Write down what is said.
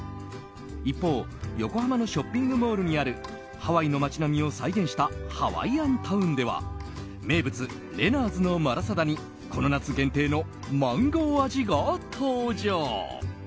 一方、横浜のショッピングモールにあるハワイの街並みを再現したハワイアンタウンでは名物レナーズのマラサダにこの夏限定のマンゴー味が登場。